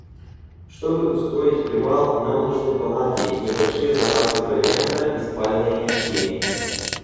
Чтобы устроить привал, нам нужны палатки, небольшие запасы провианта и спальные мешки.